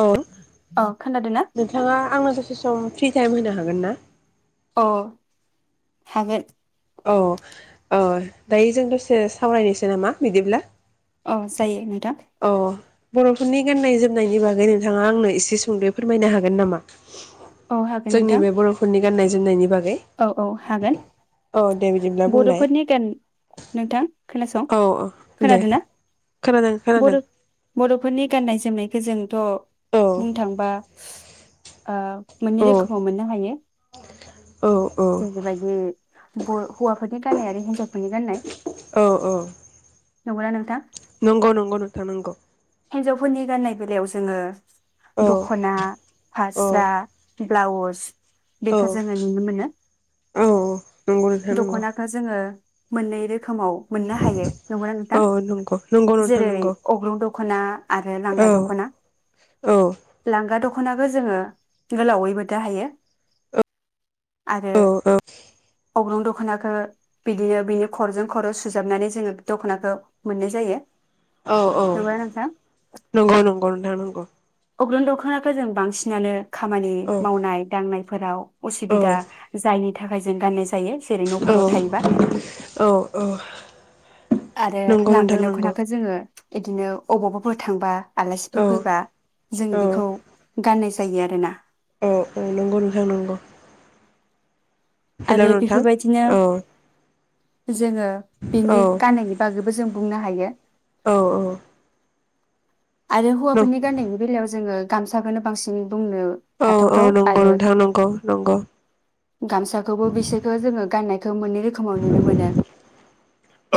औ औ खोनादों ना? नोंथाङा आंनो स सम फ्रि टाइम होनो हागोन ना? अ हागोन। औ औ दायो जों दसे सावरायनोसै नामा बिदिब्ला? औ जायो नों औ। बर'फोरनि गाननाय जोमनायनि बागै नोंथाङा आंनो एसे सुंद'यै फोरमायनो हागोन नामा? औ हागोन नोंथां जोंनि बे बर'फोरनि गाननाय जोमनायनि बा औ औ हागोन दे बिदिब्ला बुंलाय बर'फोरनि गान नोंथां खोन नासं औ औ दे खोनादों? ना खोनादों खोनादों बर'-बर'फोरनि गाननाय जोमनायख खोजों थ' औ बुंन थांबा ओ मोननै औ रोखोमाव मोननो हायो। औ जों औ बेबायदि बर'हौवाफोरनि गाननाय आरो हिनजावफोरनि गान्नाय औ औ नंगौना नोंथां नंगौ नंगौ नोंथा नंगौ हिनजावफोरनि गाननाय बेलायाव जोंङो औ दख'ना, औ फारस्रा ब्लाउस औ बेखौ जोङो नुनो मोनो। औ नंगौ नोंथां नंगौ दखनाखौ जोंङो मोननै रोखोमाव मोननो हायो। नंगौना नोंथां औ नंगौ नंगौ नोंथां जेरै नंगौ अग्रं दख'ना आरो औ लांगा दख'ना। औ लांगा दख दखनाखौ जोङो गोलावैबो दायो। आरो औ अग्रं दख'नाखौ बिदिनो बिनि खर'जों खर' सुजाबनानै जोंङो दख'नाखौ मोननाय जायो। औ औ नंगौना नोंथां नंगौ नंगौ नं गौ। अग्रुं दौखनाखौ जों बांसिनानो खामानि औ मावनाय-दांनाय फोराव औ असुबिदा जायिनि नि थाखाय जों गाननाय जायो जेरै औ न'फोराव थायोबा। औ औ आरो नंगौ लांगा नोंथां नंगौ दख'नाखौ जोङो बिदिनो अबावबाफोर थांबा आलासिफोर औ फैबा औ जोंङो बेखौ गाननाय जायो आरोना। नोंखौ नोंथां नोंगौ। आरो नोंथां बेफोरबायदिनो औ जोंङो औ बेनि गाननायनि बागैबो जों बुंनो हायो। औ आरो हौवाफोरनि गान्नायनि बेलायाव जोंङो गामसाखौनो बांसिन बुंनो औ औ हाथावथाव नंगौ आरो नोंथां नंगौ नंगौ गामसाखौबो बिसोरखौ जोंङो गाननाय खौ मोननै रोखोमा दं नुनो मोनो।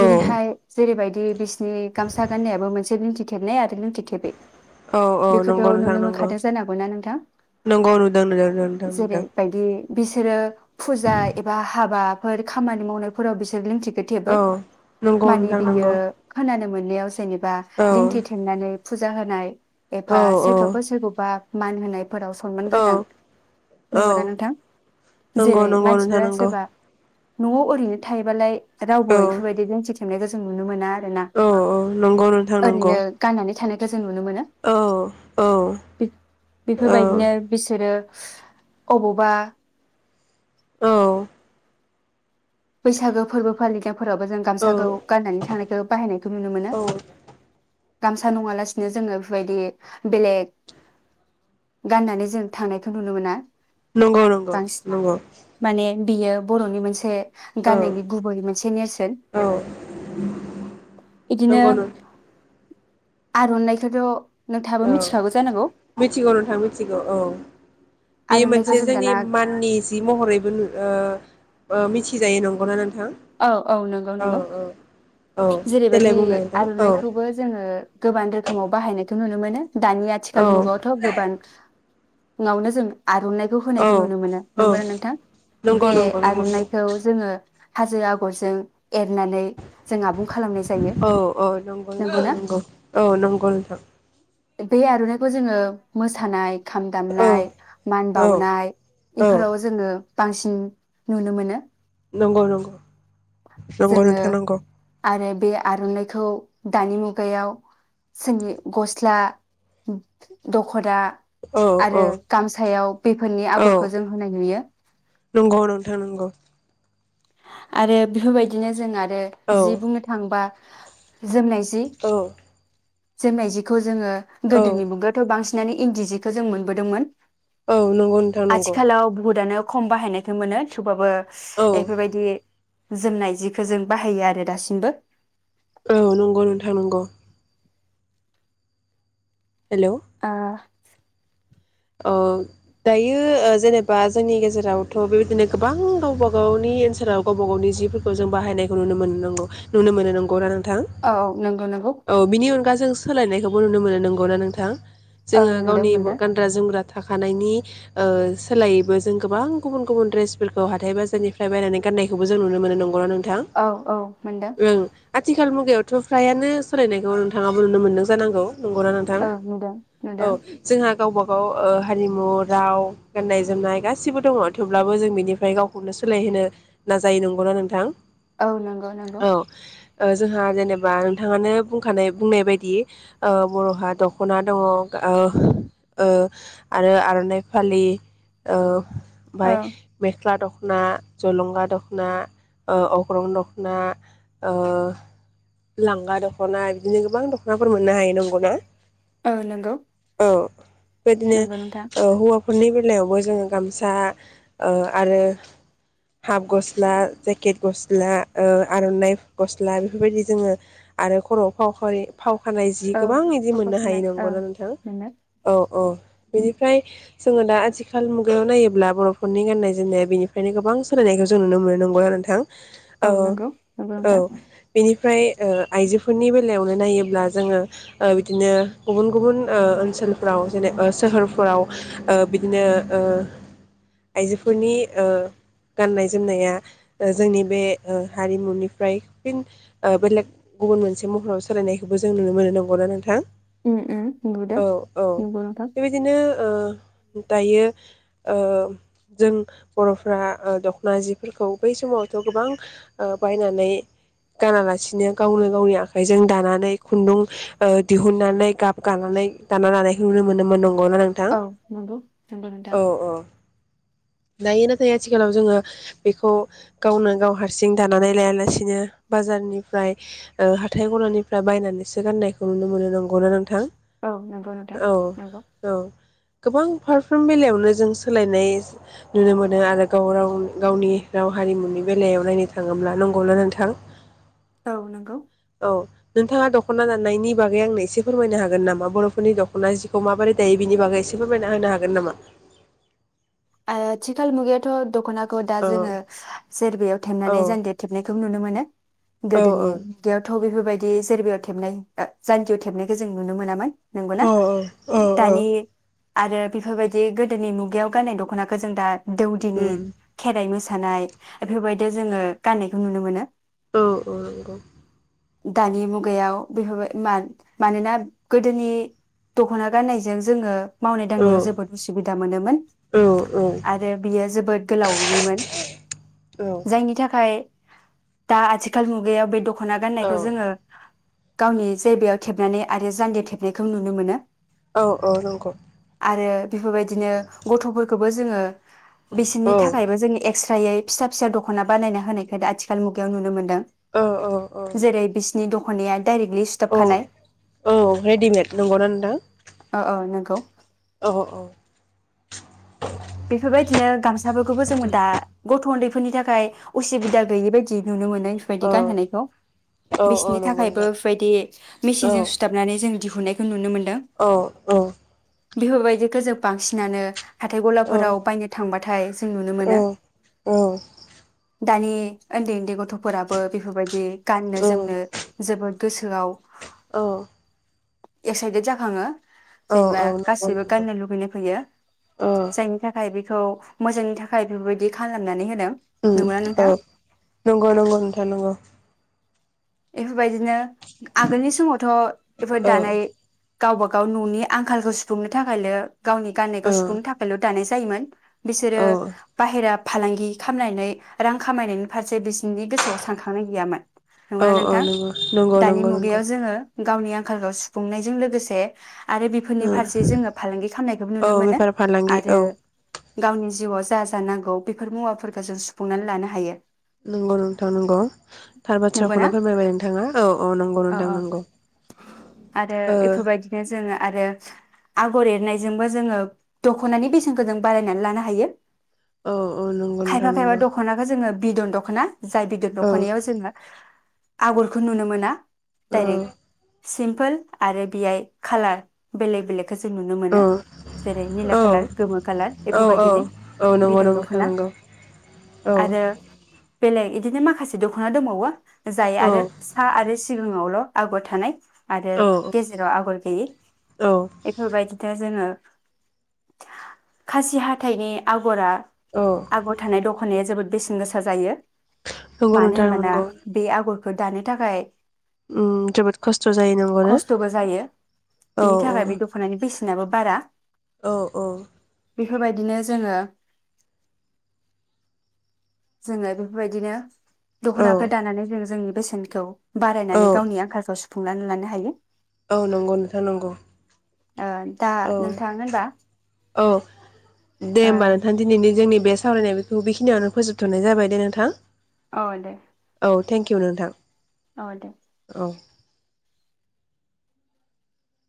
औ जेरैहाय जेरैबाय दि बिसिनि गामसा गाननायाबो मोनसे लिनथि थेबनाय आरो नों थिथेबै। औ औ नंगौ नोंथां नंगौं जानांगौना नोंथां नोंगौ नुदों नुदों नोंथां नुदों। जेरैबायदि बिसोरो फुजा एबा हाबा फोर खामानि मावनायफोराव बिसोर लिंथि थथेबो औ नंगौ मानि नोंथां बियो नंगौ खोनानो मोन [unintelligible] बा औ लिंथि थेबनानै फुजा होनाय एफा औ सोरखौबा सोरखौबा मान होनाय फोराव सनमान औ गोनां औ नंगौना नोंथां नंगौ जेरै नंगौ नोंथां मानसिफोरा नंगौ सोरबा न'आव ओरैनो थायोबालाय रावबो औ एफोरबायदिदों सोंनायखौ जों नुनो मोना आरोना औ औ नंगौ नोंथां नंगौ ओरैनो गाननानै थानायखौ जों नुनो मोनो औ औ औ बेफोरबायदिनो बिसोरो अबावबा औ बैसागो फोरबो फालिगोन फोरावबो जों औ गामसाखौ गाननानै थांनायखौ बाहायनायखौ नुनो मोनो औ गामसा नङालासिनो जोङो बेबायदि बेलेग गाननानै जों थांनायखौ नुनो मोना नंगौ नंगौ बांसिन नंगौ माने बियो बर'नि मोनसे औ गाननायनि गुबै मोनसे नेरसोन औ बिदिनो नंगौ नों आर'नाइखौथ' नोंथाङाबो औ मिथिखागौ जानांगौ मिथिगौ नोंथाङ मिथिगौ औ बे आर'नाइखौ मोनसे जों जोंनि दाना माननि जि महरैबो मिथिजायो नंगौना नों औ औ नंगौ नंगौ औ देलाय जेरैबायदि बुंलाय नोंथां औ आर'नाइखौबो जोङो गोबां रोखोमाव बाहायनाय नुनो मोनो दानि औ आथिखाल मुगायावथ' गोबां नवावनो जों आर'नाइखौ औ होनायखौ नुनो मोनो औ नंगौना नोंथां नंगौ बे नंगौ नंगौ आर'नाइखौ जोङो हाजो आगरजों एरनानै जों आबुं खालामनाय जायो औ औ नंगौ नोंथां नंगौना नंगौ औ नंगौ नोंथां बे आर'नाइखौ जोङो मोसानाय खाम औ दामनाय मान औ बानाय औ बेफोराव जोङो बांसिन नुनो मोनो नंगौ नंगौ नंगौ जोङो नोंथां नंगौ आरो बे आर'नाइखौ दानि मुगायाव जोंनि गस्ला दख'दा औ औ आरो गामसायाव बेफोरनि औ आगरखौ जों होनाय नुयो नंगौ नोंथां नंगौ आरो बेफोरबायदिनो जों आरो औ [unintelligible] जि बुंनो थाङोबा जोमनाय जि औ जोमनाय जिखौ जोङो औ गोदोनि मुगाथ' बांसिन बिनानै इन्दि जिखौ जों मोनबोदोंमोन। औ नंगौ नोंथां नंगौ आथिखालाव बुहुदानो खम बाहायनायखौ मोनो थेवबाबो औ एफोरबायदि जोमनाय जिखौ जों बाहायो आरो दासिमबो। औ नंगौ नोंथां नंगौ आ ओ दायो जेनेबा जोंनि गेजेरावथ' बेबायदिनो गोबां गावबा गावनि ओनसोलाव गावबा गावनि जिफोरखौ जों बाहायनायखौ नुनो मोनो नोंगौ नुनो मोनो नोंगौ थां औ नंगौ नंगौ औ बिनि अनगा जों सोलायनायखौबो नुनो मोनो नंगौना नोंथां? औ जोङो नुदों गावनि मोनदों गान जोमग्रा थाखानायनि ओ सोलायैबो जों गोबां गुबुन गुबुन ड्रेसफोरखौ हाथाय बाजारनिफ्राय बायनानै गाननायखौबो जों नुनो मोनो नंगौ नों औ औ मोनदों आथिखाल मुगायावथ' फ्रायानो सोलायनायखौ नोंथाङाबो नुनो मोन्दों जानांगौ नंगौना नोंथां औ नुदों औ नुदों जोंहा गावबा गाव ओ हारिमु राव गाननाय जोमनाय गासिबो दङ थेवब्लाबो जों बिनिफ्राय गावखौनो सोलायहोनो नाजायो नंगौना नोंथां? औ नोंगौ नोंगौ। औ ओ जोंहा जेनेबा नोंथाङानो बुंखानाय बुंनाय बायदि ओ बर'हा दख'ना दङ गा ओ ओ आरो आर'नाइ फालि ओ औ ओमफाय मेख्ला दख' ना, जलंगा दखना, ओ अग्रं दखना, ओ लांगा दख'ना, बिदिनो गोबां दखनाफोर मोननो हायो नंगौना? ओ नोंगौ। औ । बेदिनो ओ हौवाफो फोरनि बेलायावबो जोङो गामसा ओ आरो हाफ गस्ला, जेकेट गस्ला, ओ आर'नाइ फ गस्ला बेफोरबायदि जोङो आरो खर'आव फाव खावरि फाव फाननाय जि औ गोबां इदि फट' मोननो हायो सुनाय औ नंगौना नोंथां नोंनो औ । अ बिनिफ्राय जोङो दा आथिखाल मुगायाव नायोब्ला बर'फोरनि गाननाय जोमनाया बिनिफ्रायनो गोबां सोलायनायखौ जों नुनो मोनो नंगौना नोंथां? औ नंगौ नंगौ औ नोंथां बिनि फ्राय ओ आइजोफोरनि बेलायावनो नायोब्ला जोङो ओ बिदिनो गुबुन गुबुन ओ ओनसोलफ्राव जेने ओ सोहोरफोराव ओ बिदिनो ओ आइजोफोरनि ओ गाननाय जोमनाया ओ जोंनि बे ओ हारिमुनिफ्राय फिन ओ बेलेग गुबुन मोनसे महराव सोलायनायखौबो जों नुनो मोनो नंगौना नोंथां? उम उम औ औ [inaudible] बेबायदिनो ओ दायो ओ जों बर'फ्रा ओ दख'ना जिफोरखौ बै समावथ' गोबां ओ बायनानै गानालासिनो गावनो गावनि आखाइजों दानानै खुन्दुं ओ दिहुनन्नानै गाब गानानै दाना लानायखौ नुनो मो मोनोमोन [unintelligible] औ नंगौ नंगौ नोंथां। औ औ दायो नाथाय आथिखालाव जोङो बेखौ गावनो गाव हारसिं दानानै लायालासिनो बाजारनिफ्राय ओ हाथाय गलानिफ्राय बायनानैसो गाननायखौ नुनो मोनो नंगौना नोंथां? औ नंगौ नोंथां। औ नंगौ औ । गोबां फारफ्रोम बेलायावनो जों सोलायनाय नुनो मोनो आरो गाव राव गावनि राव हारिमुनि बेलायाव नायनो थाङोब्ला नंगौना नोंथां? औ नोंगौ । अ नोंथाङा दख'ना दाननायनि बागै आंनो एसे फोरमायनो हागोन नामा बर'फोरनि दख'ना जि खौ माबोरै दायो बिनि बागै एसे फोरमायना होनो हागोन नामा? आथिखाल मुगायाथ' दख'ना [unintelligible] दा औ जोङो जेरबायाव औ थेबनानै जानजियाव थेबनायखौ नुनो मोनो । औ गोदोनि बेयावथ' बेफोरबाय दि जेरबायाव थेबनाय [unintelligible] जानजियाव थेबनायखौ जों नुनो मोनामोन । नंगौना औ औ औ दानि आरो बेफोरबायदि गोदोनि मुगायाव गाननाय दख ख'नाखो जों दा दौदिनि उम खेराइ मोसा [unintelligible] एफोरबायदियाव जोङो गान्नायखौ नुनो मोनो । औ औ नंगौ । दानि मुगायाव बेफोरबाय मा-मानोना गोदोनि दख'ना गाननायजों जोङो मावनाय औ दांनायाव जोबोद उसुबिदा मोनोमोन। औ आरो बियो जोबोद गोलाव हि मोन औ जायनि थाखाय दा आथिखाल मुगायाव बे द ख'ना गान्नायखौ जोङो औ गावनि जेरबायाव थेबनानै आरो जानदियाव थेबनायखौ नुनो मोनो। औ औ नंगौ आरो बेफोरबायदिनो गथ' खौबो जोङो बिसिनि औ थाखायबो जोंनि एक्स थ्रायै फिसा फिसा दख'ना बानायना होनायखो आथिखाल मुगायाव नुनो मोनदों। औ औ जेरै बि नि दख'नाया डाइरेक्टलि सुथाब औ खानाय औ रेडिमेड नंगौना नोंथां? औ औ नंगौ औ औ [inaudible] बेफोरबायदिनो गामसा [unintelligible] दा बेफोरखौ जों दा गथ' उन्दै फोरनि थाखाय उसुबिदा गैयै बायदि नुनो मोनो औ बेफोरबादि गानहोनाइखौ औ औ बिसिनि नंगौ थाखाय नोंथां बेफोरबादि औ मिचिनजों सुथाबनानै जों दिहुननायखो नुनो मोनो। औ औ बेफोरबायदिखो जों बांसिनानो हाथाय ग फोराव बायनो थांबाथाय जों नुनो औ मोनो। दानि ओन्दै ओन्दै गथ'फोराबो बेफोरबायदि गाननो जोमनो जोबोद गोसोआव एक्साइटेड जाखाङो जेनेबा नंगौ गासिबो नंगौ गाननो लुबैनाय फैयो। औ थाखाय बेखौ मोजांनि थाखाय बेफोरबायदि खालामनानै होदों उम नंगौना औ नोंथां नंगौ नंगौ नोंथां नंगौ एफोरबायदिनो आगोलनि समावथ' बेफोर औ दानाय गावबा गाव न'नि आंखालखौ सुफुंनो थाखायल' गावनि गाननायखौ औ सुफुंनो थाखायल' दानाय जायोमोन बिसोरो औ बाहेरा फालांगि खालामनानै रां खामायनायनि फारसे बिसिनि गोसोआव सानखांनाय गैयामोन औ नंगौना औ नोंथां नंगौ नंगौ दानि नंगौ नंगौ मुगायाव जोङो गावनि आंखालखौ सुफुंनायजों लोगोसे आरो बेफोरनि फारसे जोङो फालांगि खालामनायखौबो नुनो औ मोनो बेफार फालांगि आरो औ गावनि जिउआव जा जा नांगौ बेफोर मुवाफोरखौ जों सुफुंनानै लानो हायो । नंगौ नोंथां नंगौ थार बाथ्राखौनो नंगौना फोरमायबाय नोंथाङा औ औ नंगौ अ नोंथां अ नंगौ आरो ओ बेफोरबायदिनो जोङो आरो आगर एरनायजोंबो जोङो दखनानि बेसेनखौ जों बारायनानै लानो हायो औ औ नंगौ नोंथां खायफा खायफा नंगौ दखनाखो जोङो बिदन दखना जाय बिदन औ दखनायाव जोङो आगरखौ नुनो मोना ओ डाइरेक्ट सिम्पोल आरो बेहाय कालार बेलेक बेलेक बेखौ जों नुनो औ मोनो जेरै निला औ खालार गोमो खालार औ बेफोरबायदिनि औ नंगौ बिदन नोंथां दखना नंगौ औ आरो बेलेग इदिनो माखासे दखना दंबावो [inaudible] जाय आरो औ फिसा आरो सिम जिङावल आगर थानाय आरो औ गेजेराव आगर गैयि बेफोरबायदिनो जोङो खासि हाथाइनि आगरा औ आगर थानाय दखनाया जोबोद बेसेन गोसा जायो नंगौ मानो नोंथां होनबाना नंगौ बे आगरखौ दानो थाखाय उम जोबोद खस्थ जायो नांगौ ना खस्थ'बो जायो औ बेनि औ थाखाय बे दख'नानि बेसेनाबो बारा औ औ बेफोरबायदिनो जोङो जोङो बेफोरबायदिनो औ दखनाखो दानानै जों जोंनि बेसेनखौ औ बारायनानै गावनि आंखालखौ सुफुंनानै लानो हायो औ नंगौ नोंथां नंगौ ओ दा औ नोंथां होनबा औ दे होमबा अ नोंथां दिनैनि जोंनि बे सावरायनाय बेखौ बेखिनियावनो फोजोबथनाय जाबाय दे नोंथां औ दे औ थेंकिउ नोंथां औ दे औ